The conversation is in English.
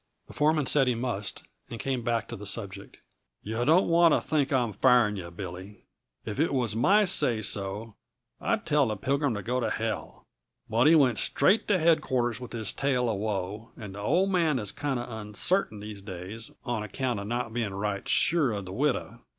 The foreman said he must, and came back to the subject. "Yuh don't want to think I'm firing yuh, Billy. If it was my say so, I'd tell the Pilgrim to go to hell. But he went straight to headquarters with his tale uh woe, and the Old Man is kinda uncertain these days, on account uh not being right sure uh the widow.